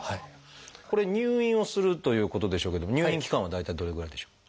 これ入院をするということでしょうけども入院期間は大体どれぐらいでしょう？